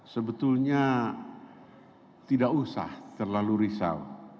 sebetulnya tidak usah terlalu risau